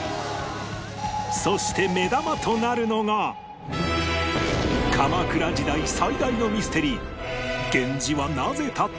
そして目玉となるのが鎌倉時代最大のミステリー